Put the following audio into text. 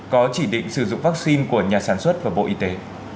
có chỉ định sử dụng vaccine của nhà sản xuất và bộ y tế